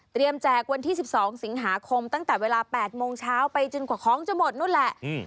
แจกวันที่๑๒สิงหาคมตั้งแต่เวลา๘โมงเช้าไปจนกว่าของจะหมดนู่นแหละ